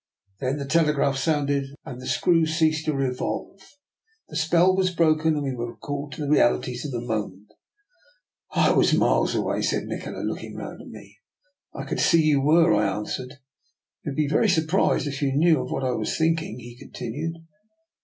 Then the telegraph sounded, and the screw ceased to revolve. The spell was broken, and we were recalled to the realities of the moment. " I was miles away," said Nikola, looking round at me. " I could see you were," I answered. " You would be very surprised if you knew of what I was thinking," he continued.